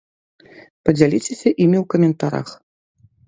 Падзяліцеся імі ў каментарах!